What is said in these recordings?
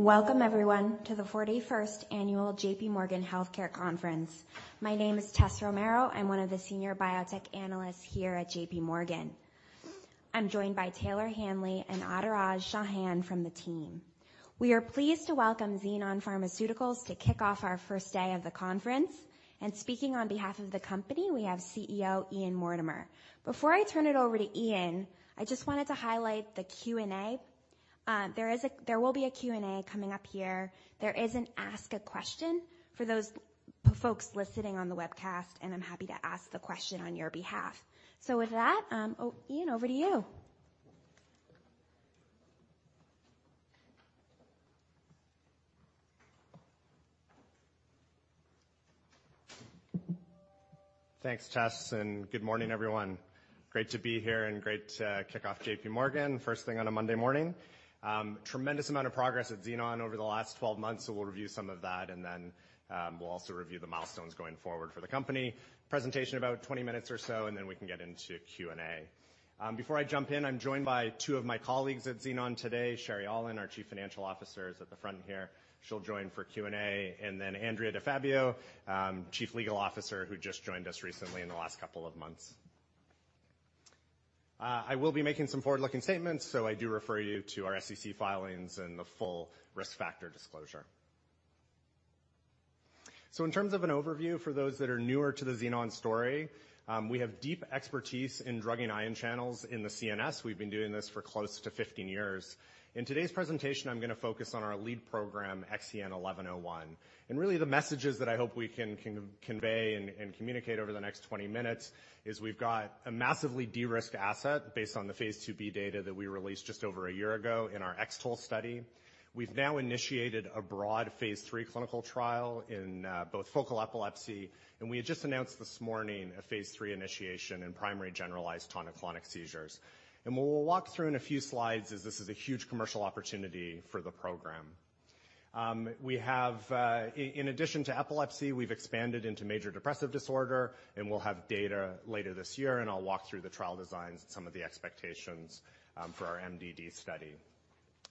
Welcome everyone to the 41st Annual JPMorgan Health Care Conference. My name is Tessa Romero. I'm one of the Senior Biotech Analysts here at JPMorgan. I'm joined by Taylor Hanley and Atoraj Shahan from the team. We are pleased to welcome Xenon Pharmaceuticals to kick off our first day of the conference. Speaking on behalf of the company, we have CEO Ian Mortimer. Before I turn it over to Ian, I just wanted to highlight the Q&A. There will be a Q&A coming up here. There is an ask a question for those folks listening on the webcast, and I'm happy to ask the question on your behalf. With that, Ian, over to you. Thanks, Tess, good morning, everyone. Great to be here, great to kick off JPMorgan first thing on a Monday morning. Tremendous amount of progress at Xenon over the last 12 months, we'll review some of that, we'll also review the milestones going forward for the company. Presentation about 20 minutes or so, we can get into Q&A. Before I jump in, I'm joined by two of my colleagues at Xenon today. Sherry Aulin, our Chief Financial Officer, is at the front here. She'll join for Q&A. Andrea DiFabio, Chief Legal Officer, who just joined us recently in the last couple of months. I will be making some forward-looking statements, I do refer you to our SEC filings and the full risk factor disclosure. In terms of an overview for those that are newer to the Xenon story, we have deep expertise in drugging ion channels in the CNS. We've been doing this for close to 15 years. In today's presentation, I'm gonna focus on our lead program, XEN1101. Really the messages that I hope we can convey and communicate over the next 20 minutes is we've got a massively de-risked asset based on the phase IIb data that we released just over a year ago in our XTOL study. We've now initiated a broad phase III clinical trial in both focal epilepsy, and we had just announced this morning a phase III initiation in primary generalized tonic-clonic seizures. What we'll walk through in a few slides is this is a huge commercial opportunity for the program. We have, in addition to epilepsy, we've expanded into major depressive disorder, and we'll have data later this year, and I'll walk through the trial designs and some of the expectations for our MDD study.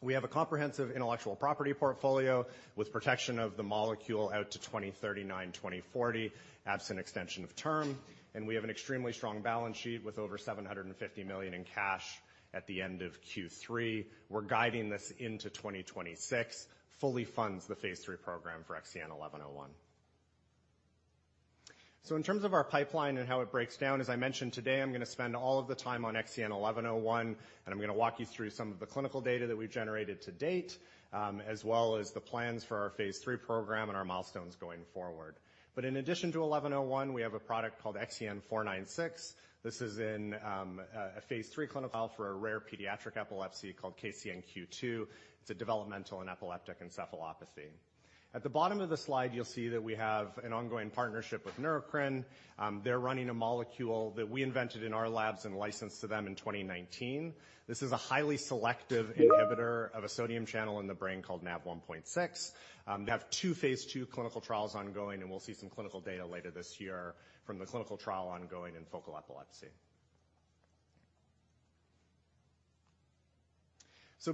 We have a comprehensive intellectual property portfolio with protection of the molecule out to 2039, 2040, absent extension of term, and we have an extremely strong balance sheet with over $750 million in cash at the end of Q3. We're guiding this into 2026, fully funds the phase III program for XEN1101. In terms of our pipeline and how it breaks down, as I mentioned today, I'm gonna spend all of the time on XEN1101, and I'm gonna walk you through some of the clinical data that we've generated to date, as well as the plans for our phase III program and our milestones going forward. In addition to 1101, we have a product called XEN496. This is in a phase III clinical trial for a rare pediatric epilepsy called KCNQ2. It's a developmental and epileptic encephalopathy. At the bottom of the slide, you'll see that we have an ongoing partnership with Neurocrine. They're running a molecule that we invented in our labs and licensed to them in 2019. This is a highly selective inhibitor of a sodium channel in the brain called Nav1.6. They have two phase II clinical trials ongoing, and we'll see some clinical data later this year from the clinical trial ongoing in focal epilepsy.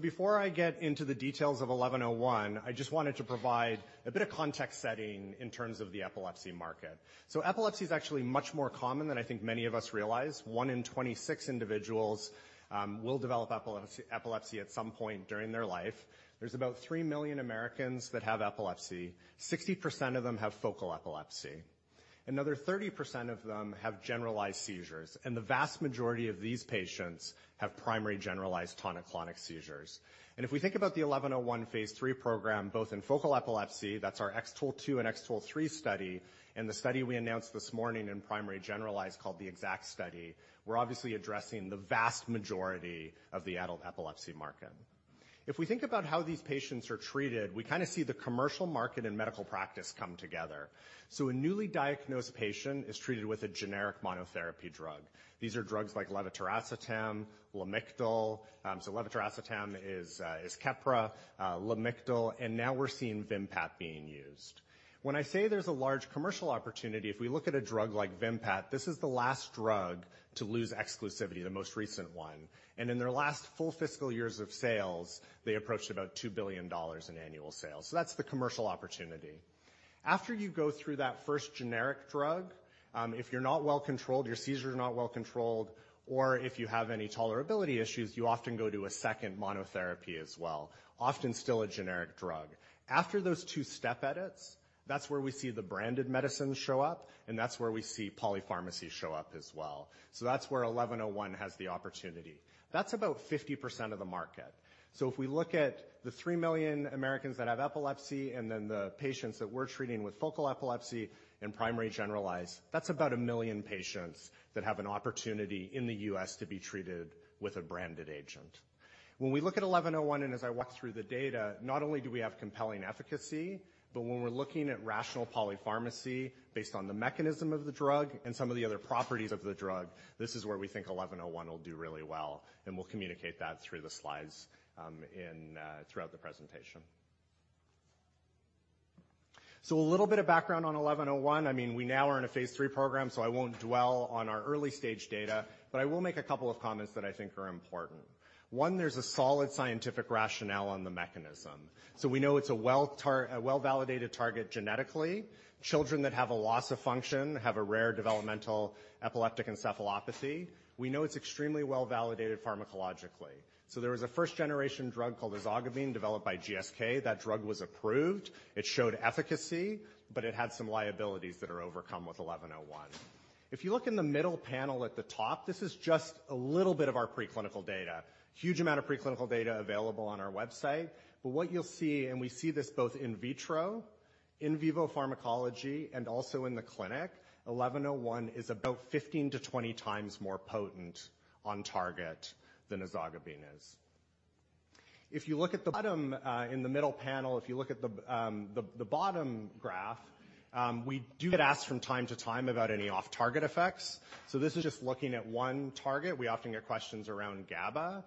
Before I get into the details of 1101, I just wanted to provide a bit of context setting in terms of the epilepsy market. Epilepsy is actually much more common than I think many of us realize, 1 in 26 individuals will develop epilepsy at some point during their life. There's about 3 million Americans that have epilepsy. 60% of them have focal epilepsy. Another 30% of them have generalized seizures, and the vast majority of these patients have primary generalized tonic-clonic seizures. If we think about the 1101 phase III program, both in focal epilepsy, that's our X-TOLE2 and X-TOLE3 study, and the study we announced this morning in primary generalized called the X-ACKT study, we're obviously addressing the vast majority of the adult epilepsy market. If we think about how these patients are treated, we kind of see the commercial market and medical practice come together. A newly diagnosed patient is treated with a generic monotherapy drug. These are drugs like levetiracetam, Lamictal, levetiracetam is Keppra, Lamictal, and now we're seeing Vimpat being used. When I say there's a large commercial opportunity, if we look at a drug like Vimpat, this is the last drug to lose exclusivity, the most recent one. In their last full fiscal years of sales, they approached about $2 billion in annual sales. That's the commercial opportunity. After you go through that first generic drug, if you're not well controlled, your seizures are not well controlled, or if you have any tolerability issues, you often go to a second monotherapy as well, often still a generic drug. After those two step edits, that's where we see the branded medicines show up, and that's where we see polypharmacy show up as well. That's where 1101 has the opportunity. That's about 50% of the market. If we look at the 3 million Americans that have epilepsy and then the patients that we're treating with focal epilepsy and primary generalized, that's about 1 million patients that have an opportunity in the U.S. to be treated with a branded agent. When we look at 1101, and as I walk through the data, not only do we have compelling efficacy, but when we're looking at rational polypharmacy based on the mechanism of the drug and some of the other properties of the drug, this is where we think 1101 will do really well, and we'll communicate that through the slides in throughout the presentation. A little bit of background on 1101. I mean, we now are in a phase III program, so I won't dwell on our early stage data, but I will make a couple of comments that I think are important. One, there's a solid scientific rationale on the mechanism. We know it's a well-validated target genetically. Children that have a loss of function have a rare developmental and epileptic encephalopathy. We know it's extremely well-validated pharmacologically. There was a first generation drug called ezogabine developed by GSK. That drug was approved. It showed efficacy, but it had some liabilities that are overcome with 1101. If you look in the middle panel at the top, this is just a little bit of our preclinical data. Huge amount of preclinical data available on our website. What you'll see, and we see this both in vitro, in vivo pharmacology, and also in the clinic, 1101 is about 15-20 times more potent on target than ezogabine is. If you look at the bottom, in the middle panel, if you look at the bottom graph, we do get asked from time to time about any off target effects. This is just looking at one target. We often get questions around GABA.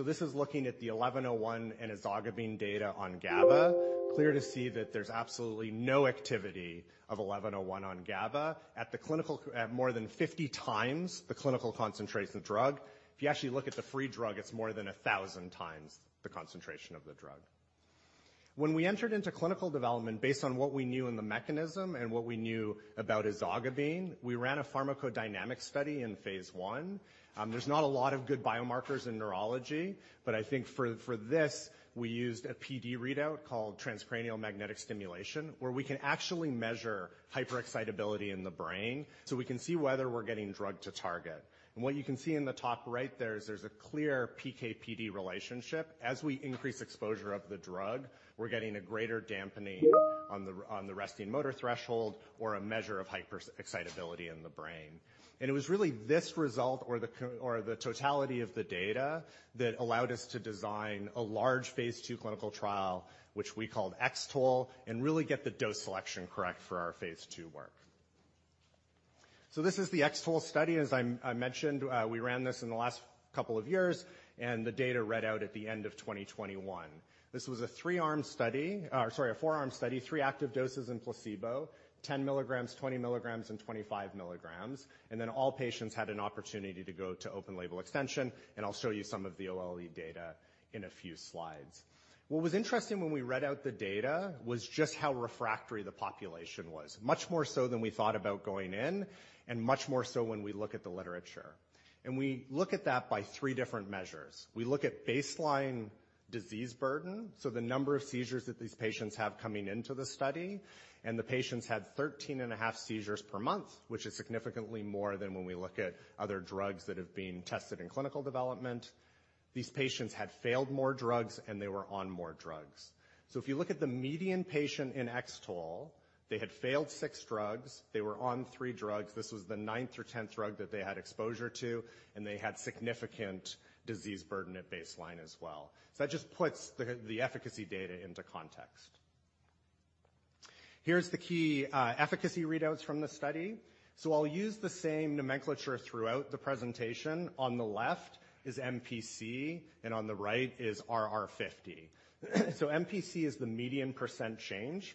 This is looking at the 1101 and ezogabine data on GABA. Clear to see that there's absolutely no activity of 1101 on GABA at more than 50 times the clinical concentrates of the drug. If you actually look at the free drug, it's more than 1,000 times the concentration of the drug. When we entered into clinical development based on what we knew in the mechanism and what we knew about ezogabine, we ran a pharmacodynamic study in phase I. There's not a lot of good biomarkers in neurology, but I think for this, we used a PD readout called transcranial magnetic stimulation, where we can actually measure hyperexcitability in the brain, so we can see whether we're getting drug to target. What you can see in the top right there is there's a clear PK/PD relationship. As we increase exposure of the drug, we're getting a greater dampening on the resting motor threshold or a measure of hyperexcitability in the brain. It was really this result or the totality of the data that allowed us to design a large phase II clinical trial, which we called X-TOL, and really get the dose selection correct for our phase II work. This is the X-TOL study. As I mentioned, we ran this in the last couple of years, and the data read out at the end of 2021. This was a 3-Arm study, sorry, a 4-Arm study, three active doses in placebo, 10 milligrams, 20 milligrams, and 25 milligrams. Then all patients had an opportunity to go to open label extension, and I'll show you some of the OLE data in a few slides. What was interesting when we read out the data was just how refractory the population was, much more so than we thought about going in, and much more so when we look at the literature. We look at that by three different measures. We look at baseline disease burden, so the number of seizures that these patients have coming into the study, and the patients had 13.5 seizures per month, which is significantly more than when we look at other drugs that have been tested in clinical development. These patients had failed more drugs, and they were on more drugs. If you look at the median patient in X-TOL, they had failed six drugs. They were on three drugs. This was the 9th or 10th drug that they had exposure to, and they had significant disease burden at baseline as well. That just puts the efficacy data into context. Here's the key efficacy readouts from the study. I'll use the same nomenclature throughout the presentation. On the left is MPC, and on the right is RR50. MPC is the median % change,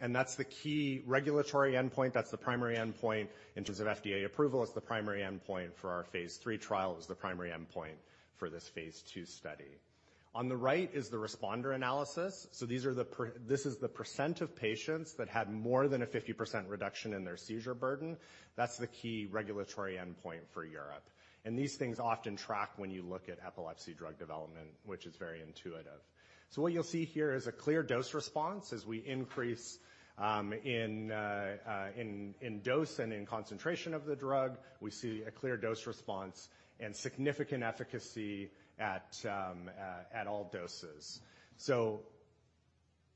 and that's the key regulatory endpoint. That's the primary endpoint in terms of FDA approval. It's the primary endpoint for our phase III trial. It was the primary endpoint for this phase II study. On the right is the responder analysis. This is the percent of patients that had more than a 50% reduction in their seizure burden. That's the key regulatory endpoint for Europe. These things often track when you look at epilepsy drug development, which is very intuitive. What you'll see here is a clear dose response. As we increase in dose and in concentration of the drug, we see a clear dose response and significant efficacy at all doses.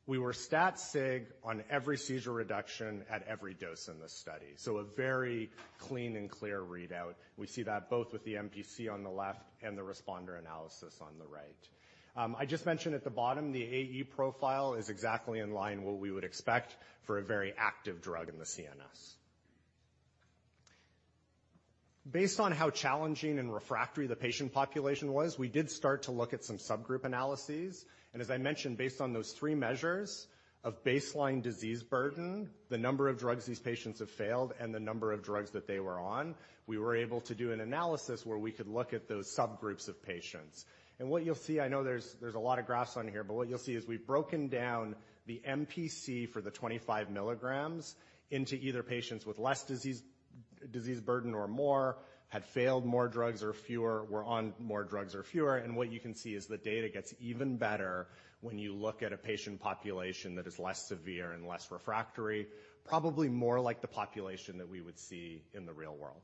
We were stat sig on every seizure reduction at every dose in this study. A very clean and clear readout. We see that both with the MPC on the left and the responder analysis on the right. I just mentioned at the bottom, the AE profile is exactly in line what we would expect for a very active drug in the CNS. Based on how challenging and refractory the patient population was, we did start to look at some subgroup analyses. As I mentioned, based on those three measures of baseline disease burden, the number of drugs these patients have failed, and the number of drugs that they were on, we were able to do an analysis where we could look at those subgroups of patients. What you'll see, I know there's a lot of graphs on here, but what you'll see is we've broken down the MPC for the 25 milligrams into either patients with less disease burden or more, had failed more drugs or fewer, were on more drugs or fewer. What you can see is the data gets even better when you look at a patient population that is less severe and less refractory, probably more like the population that we would see in the real world.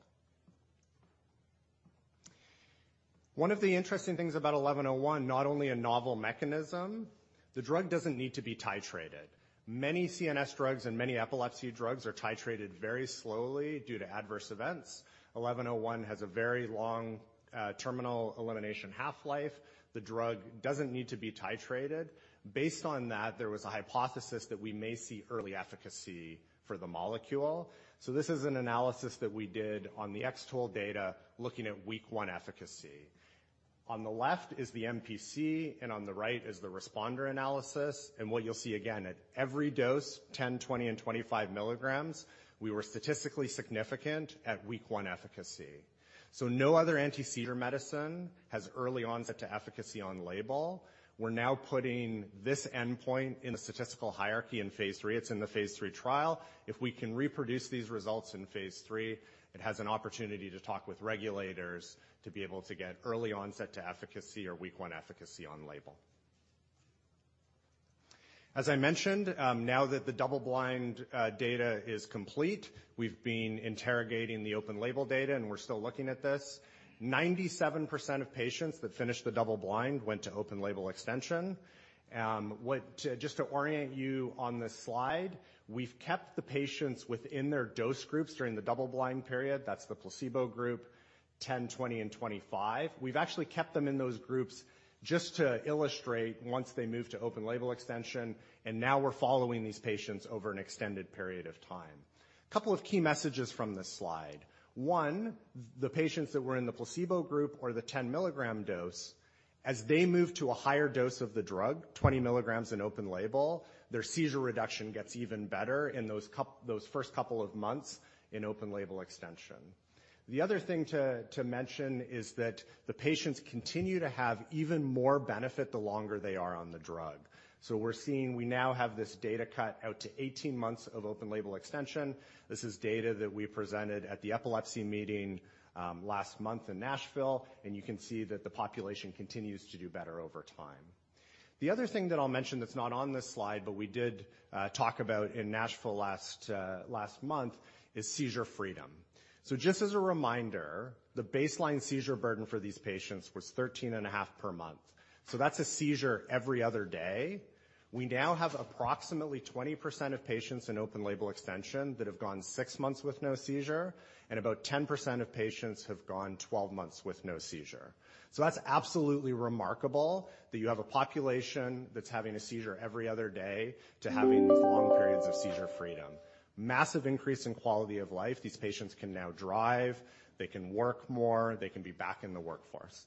One of the interesting things about 1101, not only a novel mechanism, the drug doesn't need to be titrated. Many CNS drugs and many epilepsy drugs are titrated very slowly due to adverse events. 1101 has a very long terminal elimination half-life. The drug doesn't need to be titrated. Based on that, there was a hypothesis that we may see early efficacy for the molecule. This is an analysis that we did on the X-TOL data looking at week 1 efficacy. On the left is the MPC, and on the right is the responder analysis. What you'll see again at every dose, 10, 20, and 25 milligrams, we were statistically significant at week one efficacy. No other anti-seizure medicine has early onset to efficacy on label. We're now putting this endpoint in a statistical hierarchy in phase III. It's in the phase III trial. If we can reproduce these results in phase III, it has an opportunity to talk with regulators to be able to get early onset to efficacy or week one efficacy on-label. As I mentioned, now that the double-blind data is complete, we've been interrogating the open-label data, and we're still looking at this. 97% of patients that finished the double-blind went to open-label extension. Just to orient you on this slide, we've kept the patients within their dose groups during the double-blind period. That's the placebo group, 10, 20, and 25. We've actually kept them in those groups just to illustrate once they moved to open-label extension, and now we're following these patients over an extended period of time. A couple of key messages from this slide. One, the patients that were in the placebo group or the 10-milligram dose, as they move to a higher dose of the drug, 20 milligrams in open label, their seizure reduction gets even better in those first couple of months in open label extension. The other thing to mention is that the patients continue to have even more benefit the longer they are on the drug. We now have this data cut out to 18 months of open label extension. This is data that we presented at the epilepsy meeting, last month in Nashville, and you can see that the population continues to do better over time. The other thing that I'll mention that's not on this slide, but we did talk about in Nashville last month, is seizure freedom. Just as a reminder, the baseline seizure burden for these patients was 13.5 per month. That's a seizure every other day. We now have approximately 20% of patients in open label extension that have gone six months with no seizure, and about 10% of patients have gone 12 months with no seizure. That's absolutely remarkable that you have a population that's having a seizure every other day to having long periods of seizure freedom. Massive increase in quality of life. These patients can now drive, they can work more, they can be back in the workforce.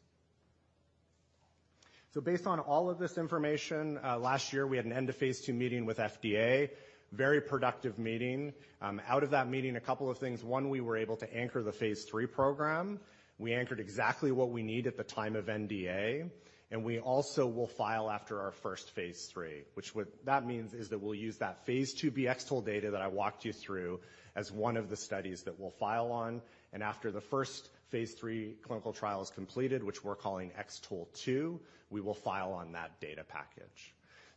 Based on all of this information, last year we had an end of phase II meeting with FDA. Very productive meeting. Out of that meeting, a couple of things. One, we were able to anchor the phase III program. We anchored exactly what we need at the time of NDA, and we also will file after our first phase III. That means is that we'll use that phase IIb XTOL data that I walked you through as one of the studies that we'll file on. After the first phase III clinical trial is completed, which we're calling X-TOLE2, we will file on that data package.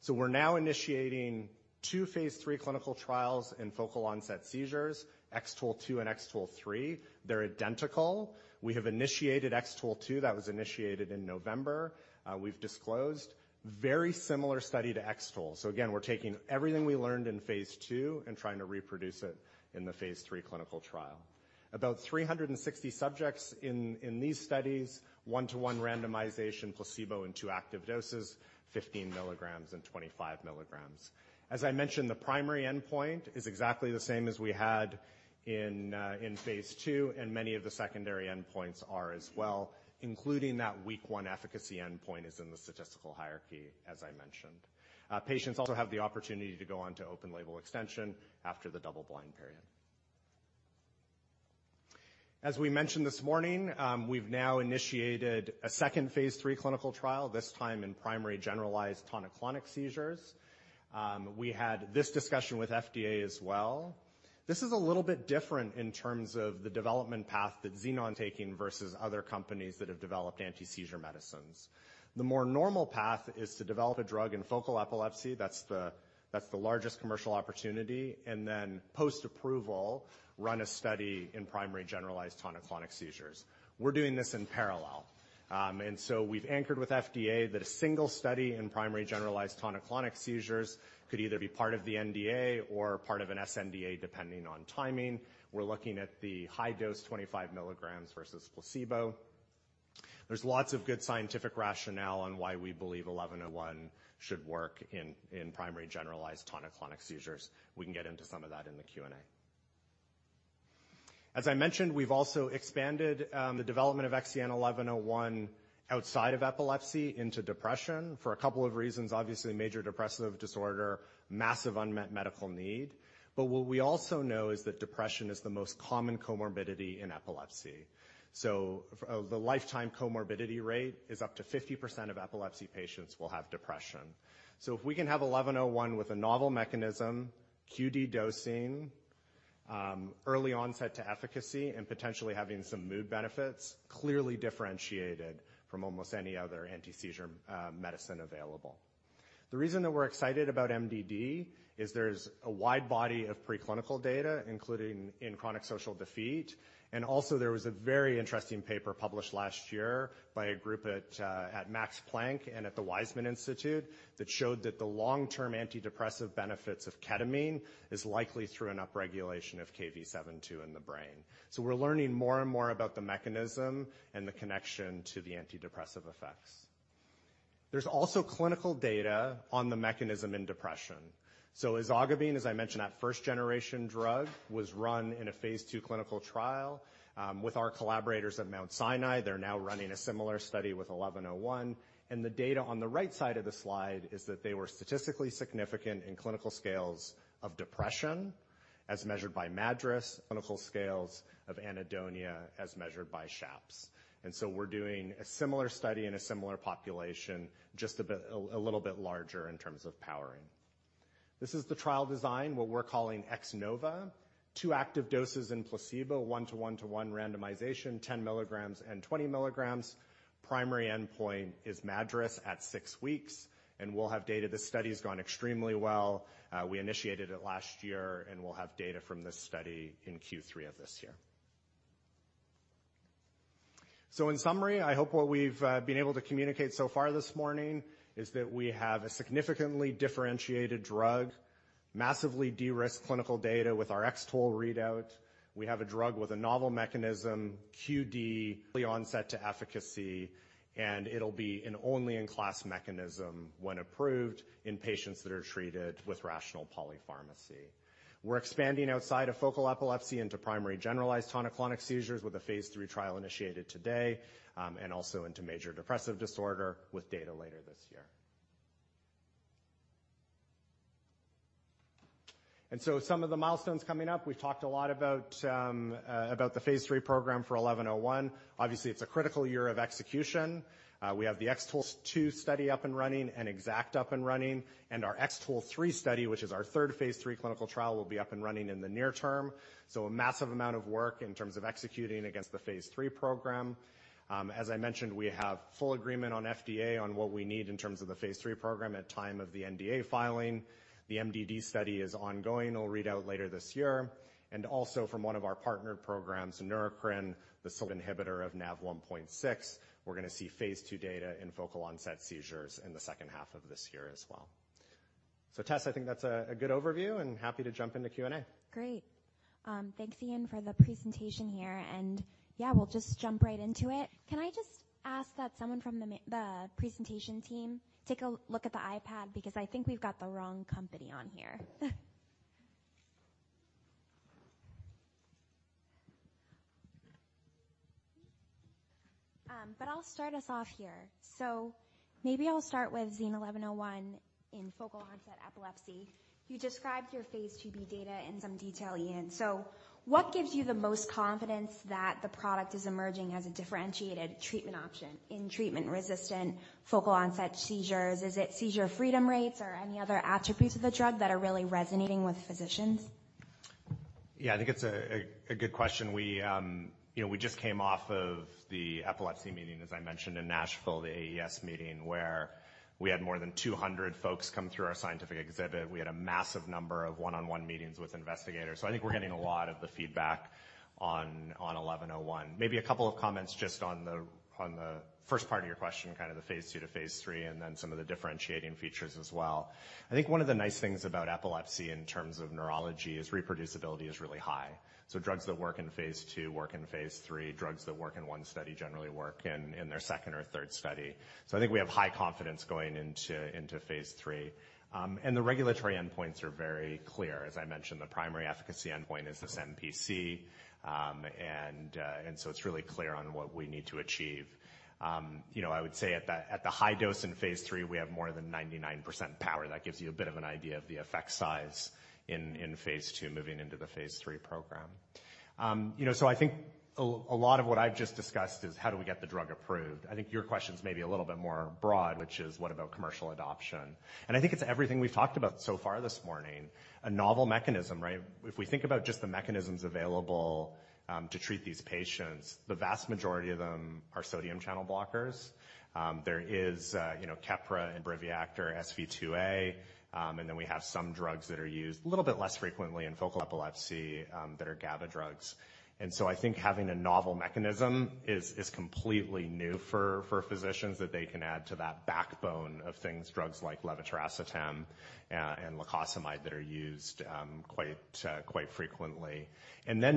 We're now initiating two phase III clinical trials in Focal Onset Seizures, X-TOLE2 and X-TOLE3. They're identical. We have initiated X-TOLE2. That was initiated in November. We've disclosed. Very similar study to XTOL. Again, we're taking everything we learned in phase II and trying to reproduce it in the phase III clinical trial. About 360 subjects in these studies. 1-to-1 randomization, placebo, and two active doses, 15 milligrams and 25 milligrams. As I mentioned, the primary endpoint is exactly the same as we had in phase II, and many of the secondary endpoints are as well, including that week one efficacy endpoint is in the statistical hierarchy, as I mentioned. Patients also have the opportunity to go on to open-label extension after the double-blind period. As we mentioned this morning, we've now initiated a second phase III clinical trial, this time in primary generalized tonic-clonic seizures. We had this discussion with FDA as well. This is a little bit different in terms of the development path that Xenon taking versus other companies that have developed anti-seizure medicines. The more normal path is to develop a drug in focal epilepsy. That's the largest commercial opportunity, post-approval, run a study in primary generalized tonic-clonic seizures. We're doing this in parallel. We've anchored with FDA that a single study in primary generalized tonic-clonic seizures could either be part of the NDA or part of an sNDA, depending on timing. We're looking at the high dose 25 milligrams versus placebo. There's lots of good scientific rationale on why we believe 1101 should work in primary generalized tonic-clonic seizures. We can get into some of that in the Q&A. As I mentioned, we've also expanded the development of XEN1101 outside of epilepsy into depression for a couple of reasons. Obviously, major depressive disorder, massive unmet medical need. What we also know is that depression is the most common comorbidity in epilepsy. Of the lifetime comorbidity rate is up to 50% of epilepsy patients will have depression. If we can have XEN1101 with a novel mechanism, QD dosing, early onset to efficacy, and potentially having some mood benefits, clearly differentiated from almost any other anti-seizure medicine available. The reason that we're excited about MDD is there's a wide body of preclinical data, including in chronic social defeat. Also there was a very interesting paper published last year by a group at Max Planck and at the Weizmann Institute that showed that the long-term antidepressive benefits of ketamine is likely through an upregulation of Kv7.2 in the brain. We're learning more and more about the mechanism and the connection to the antidepressive effect. There's also clinical data on the mechanism in depression. Ezogabine, as I mentioned, that first generation drug was run in a phase II clinical trial with our collaborators at Mount Sinai. They're now running a similar study with 1101. The data on the right side of the slide is that they were statistically significant in clinical scales of depression as measured by MADRS, clinical scales of anhedonia as measured by SHAPS. We're doing a similar study in a similar population, just a little bit larger in terms of powering. This is the trial design, what we're calling X-NOVA. Two active doses in placebo, 1-to-1-to-1 randomization, 10 milligrams and 20 milligrams. Primary endpoint is MADRS at 6 weeks, and we'll have data. This study's gone extremely well. We initiated it last year, and we'll have data from this study in Q3 of this year. In summary, I hope what we've been able to communicate so far this morning is that we have a significantly differentiated drug, massively de-risked clinical data with our X-TOL readout. We have a drug with a novel mechanism, QD, early onset to efficacy, and it'll be an only-in-class mechanism when approved in patients that are treated with rational polypharmacy. We're expanding outside of focal epilepsy into primary generalized tonic-clonic seizures with a phase III trial initiated today, and also into major depressive disorder with data later this year. Some of the milestones coming up, we've talked a lot about the phase III program for 1101. Obviously, it's a critical year of execution. We have the X-TOLE2 study up and running and X-ACKT up and running, and our X-TOLE3 study, which is our 3rd phase III clinical trial, will be up and running in the near term. A massive amount of work in terms of executing against the phase III program. As I mentioned, we have full agreement on FDA on what we need in terms of the phase III program at time of the NDA filing. The MDD study is ongoing. It'll read out later this year. From one of our partner programs, Neurocrine, the sole inhibitor of Nav1.6, we're gonna see phase II data in focal onset seizures in the second half of this year as well. Tess, I think that's a good overview and happy to jump into Q&A. Great. Thanks Ian for the presentation here. Yeah, we'll just jump right into it. Can I just ask that someone from the presentation team take a look at the iPad because I think we've got the wrong company on here. I'll start us off here. Maybe I'll start with XEN1101 in focal onset epilepsy. You described your phase IIb data in some detail, Ian. What gives you the most confidence that the product is emerging as a differentiated treatment option in treatment-resistant focal onset seizures? Is it seizure freedom rates or any other attributes of the drug that are really resonating with physicians? Yeah, I think it's a good question. We, you know, we just came off of the epilepsy meeting, as I mentioned in Nashville, the AES meeting, where we had more than 200 folks come through our scientific exhibit. We had a massive number of one-on-one meetings with investigators. I think we're getting a lot of the feedback on 1101. Maybe a couple of comments just on the first part of your question, kind of the phase II to phase III, and then some of the differentiating features as well. I think one of the nice things about epilepsy in terms of neurology is reproducibility is really high. Drugs that work in phase II work in phase III. Drugs that work in 1 study generally work in their second or third study. I think we have high confidence going into phase III The regulatory endpoints are very clear. As I mentioned, the primary efficacy endpoint is this MPC. It's really clear on what we need to achieve. You know, I would say at the high dose in phase III, we have more than 99% power. That gives you a bit of an idea of the effect size in phase II moving into the phase III program. You know, I think a lot of what I've just discussed is how do we get the drug approved. I think your question's maybe a little bit more broad, which is what about commercial adoption? I think it's everything we've talked about so far this morning, a novel mechanism, right? If we think about just the mechanisms available, to treat these patients, the vast majority of them are sodium channel blockers. there is, you know, Keppra and Briviact or SV2A. We have some drugs that are used a little bit less frequently in focal epilepsy, that are GABA drugs. I think having a novel mechanism is completely new for physicians that they can add to that backbone of things, drugs like levetiracetam and lacosamide that are used quite frequently.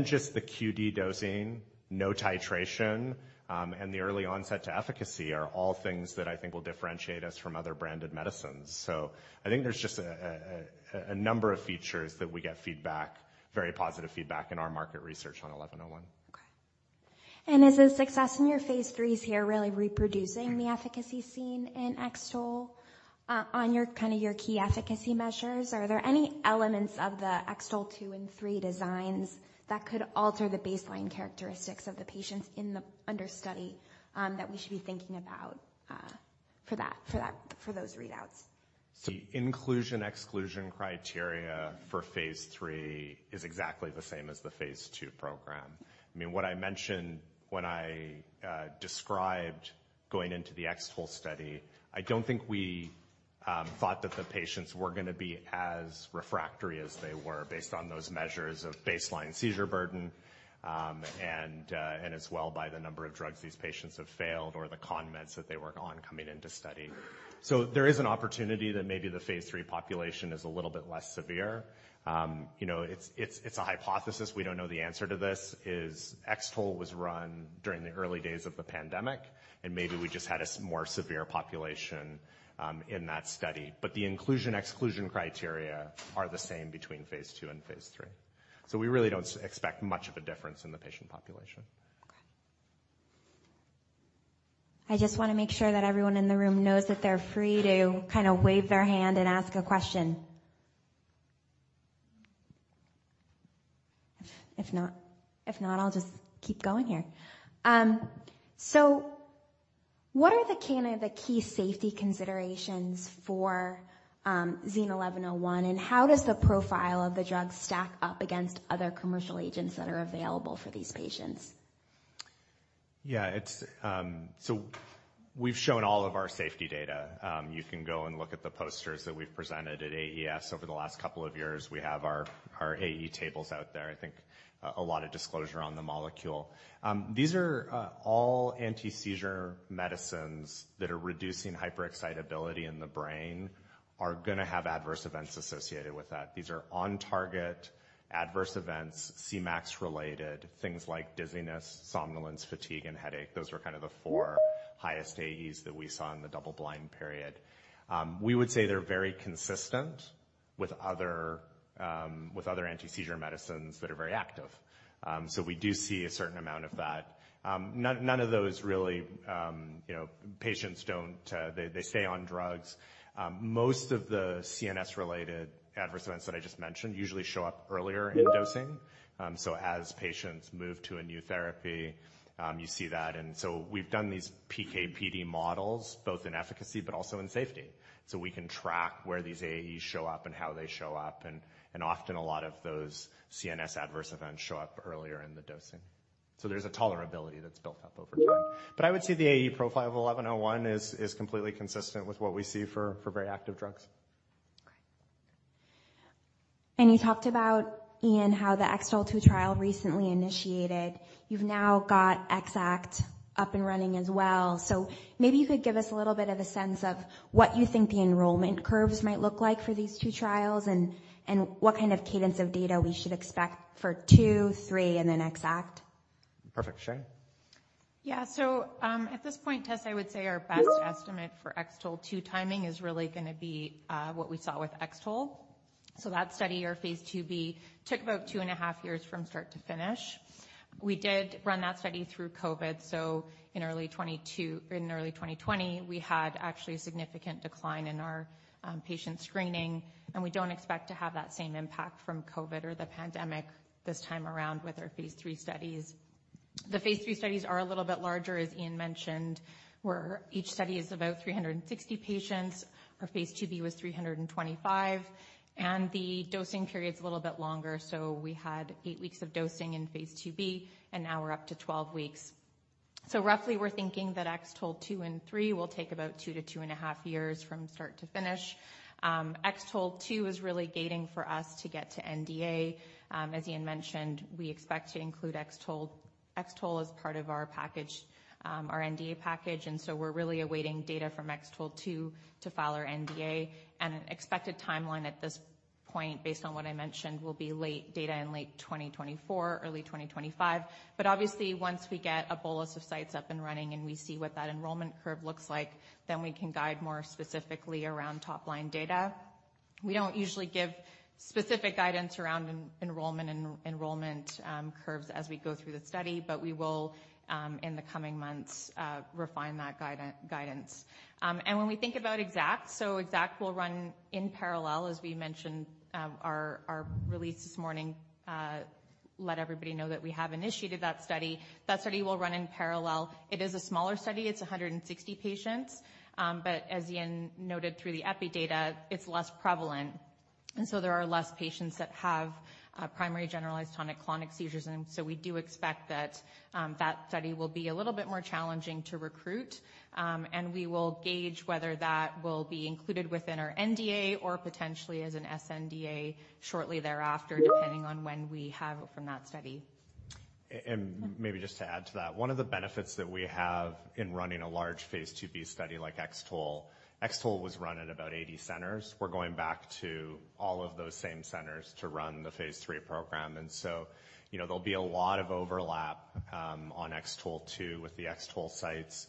Just the QD dosing, no titration, and the early onset to efficacy are all things that I think will differentiate us from other branded medicines. I think there's just a number of features that we get feedback, very positive feedback in our market research on 1101. Is the success in your phase IIIs here really reproducing the efficacy seen in XTOL on your, kind of your key efficacy measures? Are there any elements of the X-TOLE2 and X-TOLE3 designs that could alter the baseline characteristics of the patients in the under study, that we should be thinking about, for that, for those readouts? The inclusion/exclusion criteria for phase III is exactly the same as the phase II program. I mean, what I mentioned when I described going into the XTOL study, I don't think we thought that the patients were gonna be as refractory as they were based on those measures of baseline seizure burden, and as well by the number of drugs these patients have failed or the con meds that they were on coming into study. There is an opportunity that maybe the phase III population is a little bit less severe. You know, it's a hypothesis. We don't know the answer to this. XTOL was run during the early days of the pandemic, and maybe we just had a more severe population in that study. The inclusion/exclusion criteria are the same between phase II and phase III. We really don't expect much of a difference in the patient population. Okay. I just wanna make sure that everyone in the room knows that they're free to kind of wave their hand and ask a question. If not, I'll just keep going here. What are the kind of the key safety considerations for XEN1101, and how does the profile of the drug stack up against other commercial agents that are available for these patients? Yeah. It's, we've shown all of our safety data. You can go and look at the posters that we've presented at AES over the last couple of years. We have our AE tables out there. I think, a lot of disclosure on the molecule. These are all anti-seizure medicines that are reducing hyperexcitability in the brain are gonna have adverse events associated with that. These are on target adverse events, C-Max related, things like dizziness, somnolence, fatigue, and headache. Those were kind of the four highest AEs that we saw in the double-blind period. We would say they're very consistent with other, with other anti-seizure medicines that are very active. We do see a certain amount of that. None of those really, you know, patients don't, they stay on drugs. Most of the CNS related adverse events that I just mentioned usually show up earlier in dosing. As patients move to a new therapy, you see that. We've done these PK/PD models both in efficacy but also in safety. We can track where these AEs show up and how they show up, and often a lot of those CNS adverse events show up earlier in the dosing. There's a tolerability that's built up over time. I would say the AE profile of 1101 is completely consistent with what we see for very active drugs. Okay. You talked about, Ian, how the X-TOLE2 trial recently initiated. You've now got X-ACKT up and running as well. Maybe you could give us a little bit of a sense of what you think the enrollment curves might look like for these two trials and what kind of cadence of data we should expect for two, three, and then X-ACKT. Perfect. Sherry? At this point, Tess, I would say our best estimate for X-TOLE2 timing is really gonna be what we saw with XTOL. That study or phase IIb took about two and a half years from start to finish. We did run that study through COVID. In early 2020, we had actually a significant decline in our patient screening, and we don't expect to have that same impact from COVID or the pandemic this time around with our phase IIII studies. The phase III studies are a little bit larger, as Ian Mortimer mentioned, where each study is about 360 patients. Our phase IIb was 325, and the dosing period's a little bit longer. We had eight weeks of dosing in phase IIb, and now we're up to 12 weeks. Roughly we're thinking that X-TOL2 and 3 will take about 2 to 2.5 years from start to finish. X-TOL2 is really gating for us to get to NDA. As Ian mentioned, we expect to include X-TOL as part of our package, our NDA package, we're really awaiting data from X-TOL2 to file our NDA. An expected timeline at this point, based on what I mentioned, will be late data in late 2024, early 2025. Obviously once we get a bolus of sites up and running and we see what that enrollment curve looks like, then we can guide more specifically around top-line data. We don't usually give specific guidance around enrollment curves as we go through the study, but we will in the coming months refine that guidance. When we think about X-ACKT, so X-ACKT will run in parallel, as we mentioned. Our release this morning, let everybody know that we have initiated that study. That study will run in parallel. It is a smaller study. It's 160 patients. But as Ian noted through the epi data, it's less prevalent. There are less patients that have primary generalized tonic-clonic seizures. We do expect that that study will be a little bit more challenging to recruit. We will gauge whether that will be included within our NDA or potentially as an sNDA shortly thereafter, depending on when we have from that study. Maybe just to add to that. One of the benefits that we have in running a large phase IIb study like X-TOL, XTOL was run at about 80 centers. We're going back to all of those same centers to run the phase III program. You know, there'll be a lot of overlap on X-TOLE2 with the XTOL sites.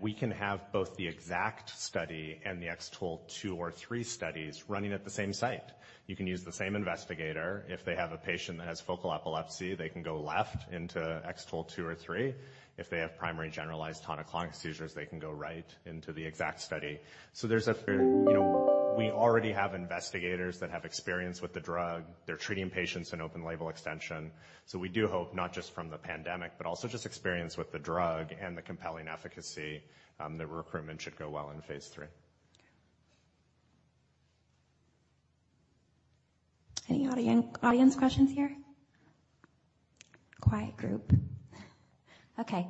We can have both the X-ACKT study and the X-TOLE2 or X-TOLE3 studies running at the same site. You can use the same investigator. If they have a patient that has focal epilepsy, they can go left into X-TOLE2 or X-TOLE3. If they have primary generalized tonic-clonic seizures, they can go right into the X-ACKT study. There's, you know, we already have investigators that have experience with the drug. They're treating patients in open label extension. We do hope not just from the pandemic, but also just experience with the drug and the compelling efficacy, the recruitment should go well in phase III. Any audience questions here? Quiet group. Okay.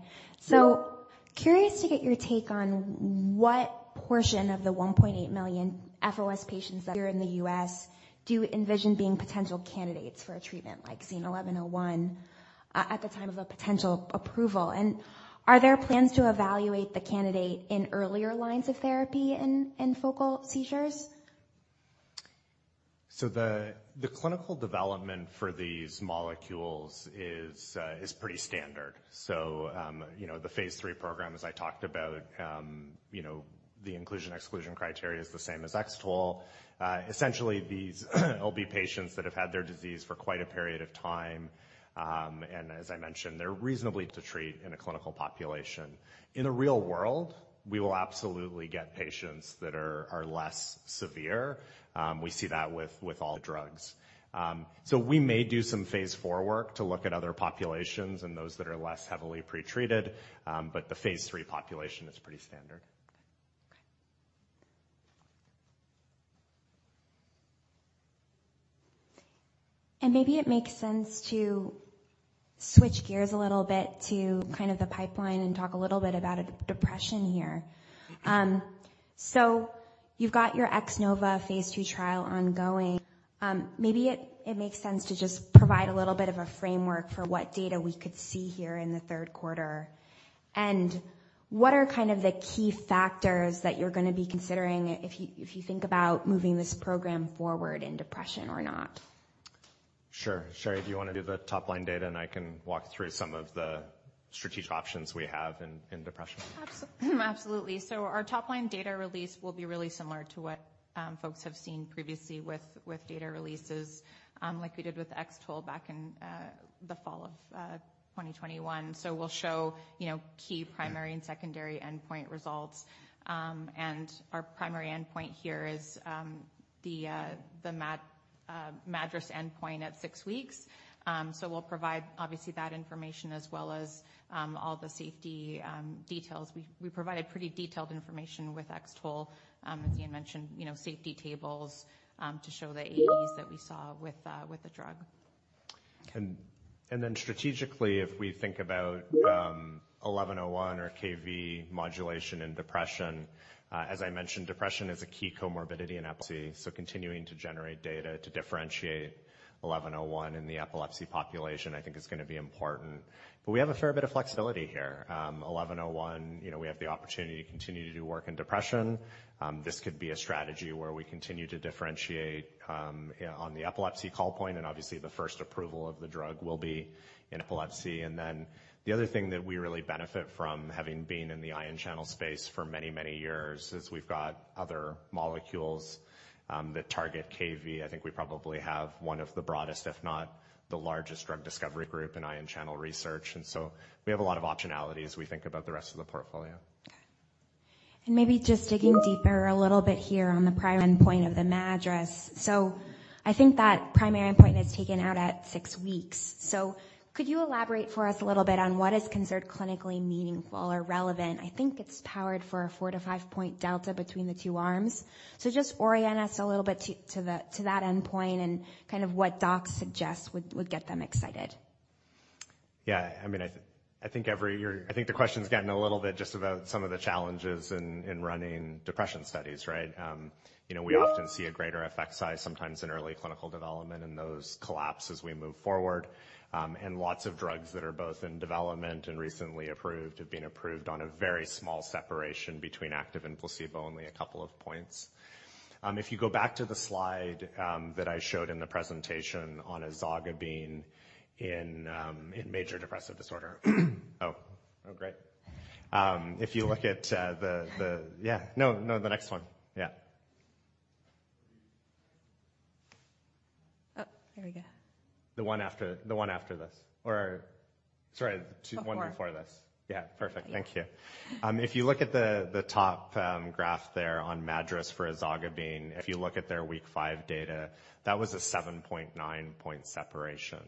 Curious to get your take on what portion of the 1.8 million FOS patients that are in the U.S. do you envision being potential candidates for a treatment like XEN1101 at the time of a potential approval? Are there plans to evaluate the candidate in earlier lines of therapy in focal seizures? The clinical development for these molecules is pretty standard. You know, the phase III program, as I talked about, you know, the inclusion/exclusion criteria is the same as XTOL. Essentially, these will be patients that have had their disease for quite a period of time. As I mentioned, they're reasonably to treat in a clinical population. In the real world, we will absolutely get patients that are less severe. We see that with all the drugs. We may do some phase IV work to look at other populations and those that are less heavily pretreated, but the phase III population is pretty standard. Okay. Maybe it makes sense to switch gears a little bit to kind of the pipeline and talk a little bit about depression here. Okay. You've got your X-NOVA phase II trial ongoing. Maybe it makes sense to just provide a little bit of a framework for what data we could see here in the third quarter. What are kind of the key factors that you're gonna be considering if you, if you think about moving this program forward in depression or not? Sure. Sherry, do you wanna do the top line data, and I can walk through some of the strategic options we have in depression? Absolutely. Our top line data release will be really similar to what folks have seen previously with data releases, like we did with XTOL back in the fall of 2021. We'll show, you know, key primary and secondary endpoint results. Our primary endpoint here is the MADRS endpoint at six weeks. We'll provide obviously that information as well as all the safety details. We provided pretty detailed information with XTOL, as Ian mentioned, you know, safety tables, to show the ADs that we saw with the drug. Then strategically, if we think about 1101 or Kv modulation in depression, as I mentioned, depression is a key comorbidity in epilepsy, continuing to generate data to differentiate 1101 in the epilepsy population, I think is gonna be important. We have a fair bit of flexibility here. 1101, you know, we have the opportunity to continue to do work in depression. This could be a strategy where we continue to differentiate on the epilepsy call point, obviously the first approval of the drug will be in epilepsy. The other thing that we really benefit from having been in the ion channel space for many, many years is we've got other molecules that target Kv. I think we probably have one of the broadest, if not the largest drug discovery group in ion channel research, and so we have a lot of optionalities as we think about the rest of the portfolio. Maybe just digging deeper a little bit here on the primary endpoint of the MADRS. I think that primary endpoint is taken out at six weeks. Could you elaborate for us a little bit on what is considered clinically meaningful or relevant? I think it's powered for a 4-5 point delta between the two arms. Just orient us a little bit to the, to that endpoint and kind of what docs suggest would get them excited. I mean, I think the question's gotten a little bit just about some of the challenges in running depression studies, right? You know, we often see a greater effect size sometimes in early clinical development, and those collapse as we move forward. Lots of drugs that are both in development and recently approved have been approved on a very small separation between active and placebo, only 2 points. If you go back to the slide that I showed in the presentation on ezogabine in major depressive disorder. Oh, great. If you look at the, yeah. No, the next one. Yeah. Oh, there we go. The one after this. Sorry. Before. One before this. Yeah. Perfect. Yeah. Thank you. If you look at the top, graph there on MADRS for ezogabine, if you look at their week five data, that was a 7.9-point separation.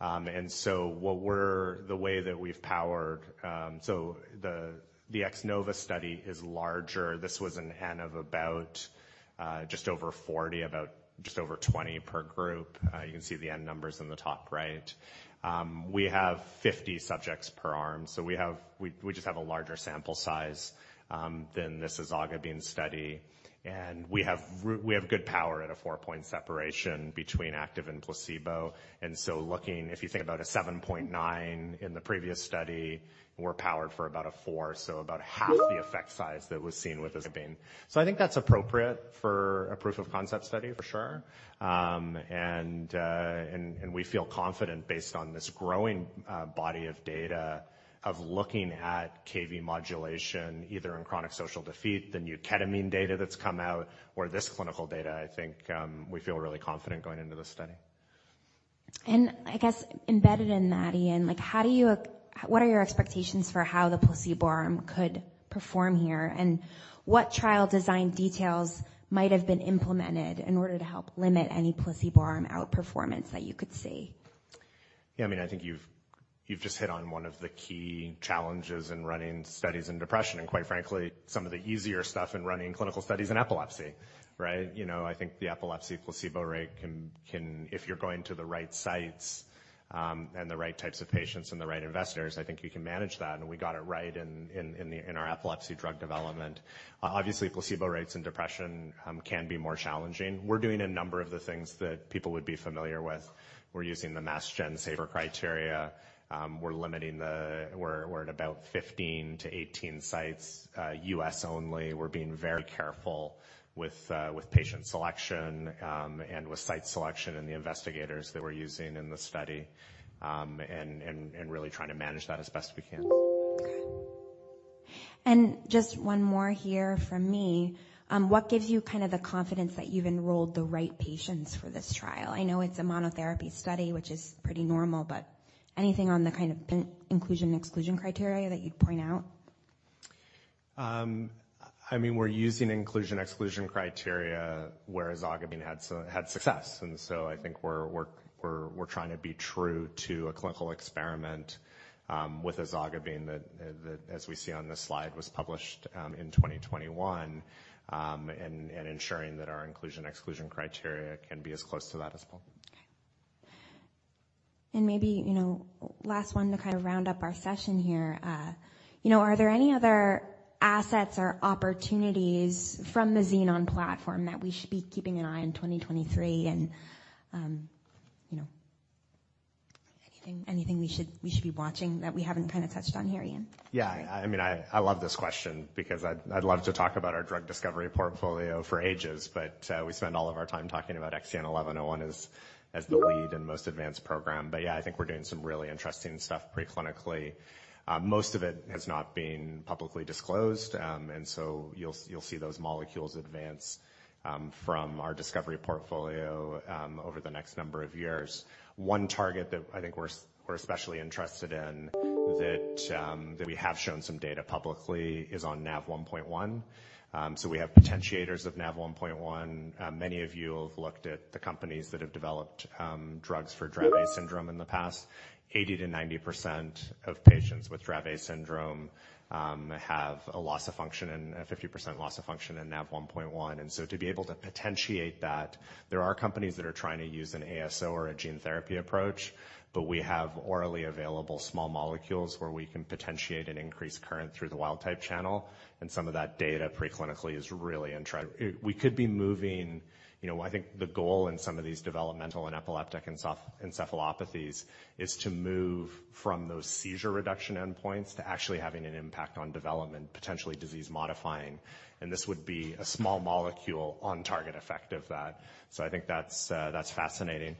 The way that we've powered, the X-NOVA study is larger. This was an N of about just over 40, about just over 20 per group. You can see the N numbers in the top right. We have 50 subjects per arm, so we have a larger sample size than this ezogabine study. We have good power at a 4-point separation between active and placebo. Looking, if you think about a 7.9 in the previous study, we're powered for about a 4, so about half the effect size that was seen with ezogabine. I think that's appropriate for a proof of concept study, for sure. And we feel confident based on this growing body of data of looking at Kv modulation, either in chronic social defeat, the new ketamine data that's come out, or this clinical data, I think, we feel really confident going into this study. I guess embedded in that, Ian, like, what are your expectations for how the placebo arm could perform here? What trial design details might have been implemented in order to help limit any placebo arm outperformance that you could see? I mean, I think you've just hit on one of the key challenges in running studies in depression, and quite frankly, some of the easier stuff in running clinical studies in epilepsy, right? You know, I think the epilepsy placebo rate can if you're going to the right sites, and the right types of patients and the right investors, I think you can manage that, and we got it right in our epilepsy drug development. Placebo rates in depression, can be more challenging. We're doing a number of the things that people would be familiar with. We're using the MassGen Savor criteria. We're at about 15-18 sites, U.S. only. We're being very careful with patient selection, and with site selection and the investigators that we're using in the study, and really trying to manage that as best we can. Just one more here from me. What gives you kind of the confidence that you've enrolled the right patients for this trial? I know it's a monotherapy study, which is pretty normal, but anything on the kind of inclusion, exclusion criteria that you'd point out? I mean, we're using inclusion, exclusion criteria where ezogabine had success. I think we're trying to be true to a clinical experiment with ezogabine that as we see on this slide, was published in 2021, and ensuring that our inclusion, exclusion criteria can be as close to that as well. Okay. Maybe, you know, last one to kind of round up our session here. You know, are there any other assets or opportunities from the Xenon platform that we should be keeping an eye on in 2023 and, you know, anything we should be watching that we haven't kind of touched on here, Ian? Yeah. I mean, I love this question because I'd love to talk about our drug discovery portfolio for ages. We spend all of our time talking about XEN1101 as the lead and most advanced program. Yeah, I think we're doing some really interesting stuff pre-clinically. Most of it has not been publicly disclosed. You'll see those molecules advance from our discovery portfolio over the next number of years. One target that I think we're especially interested in that we have shown some data publicly is on Nav1.1. We have potentiators of Nav1.1. Many of you have looked at the companies that have developed drugs for Dravet syndrome in the past. 80%-90% of patients with Dravet syndrome have a loss of function and a 50% loss of function in Nav1.1. To be able to potentiate that, there are companies that are trying to use an ASO or a gene therapy approach, but we have orally available small molecules where we can potentiate an increased current through the wild type channel, and some of that data pre-clinically is really intrig. We could be moving... You know, I think the goal in some of these developmental and epileptic encephalopathies is to move from those seizure reduction endpoints to actually having an impact on development, potentially disease modifying, and this would be a small molecule on target effect of that. I think that's that's fascinating.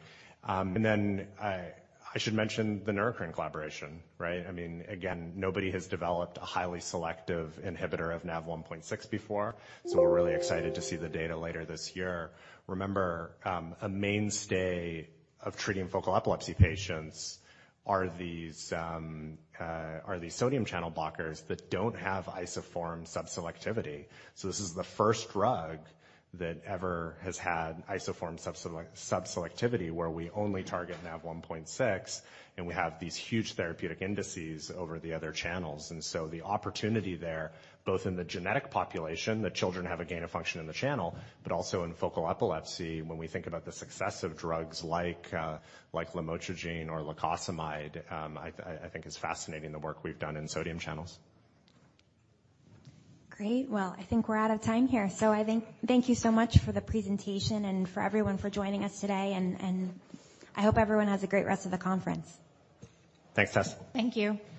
I should mention the Neurocrine collaboration, right? I mean, again, nobody has developed a highly selective inhibitor of Nav1.6 before. We're really excited to see the data later this year. Remember, a mainstay of treating focal epilepsy patients are these sodium channel blockers that don't have isoform subselectivity. This is the first drug that ever has had isoform subselectivity, where we only target Nav1.6, and we have these huge therapeutic indices over the other channels. The opportunity there, both in the genetic population, the children have a gain of function in the channel, but also in focal epilepsy, when we think about the success of drugs like lamotrigine or lacosamide, I think it's fascinating the work we've done in sodium channels. Great. Well, I think we're out of time here. I thank you so much for the presentation and for everyone for joining us today and I hope everyone has a great rest of the conference. Thanks, Tess. Thank you. Thanks.